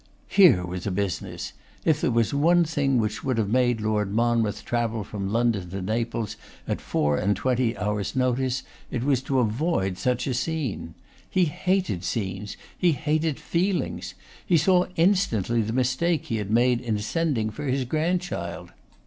Here was a business! If there were one thing which would have made Lord Monmouth travel from London to Naples at four and twenty hours' notice, it was to avoid a scene. He hated scenes. He hated feelings. He saw instantly the mistake he had made in sending for his grandchild.